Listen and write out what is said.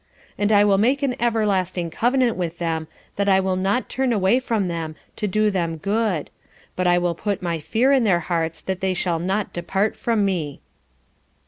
_"And I will make an everlasting covenant with them, that I will not turn away from them, to do them good; but I will put my fear in their hearts that they shall not depart from me."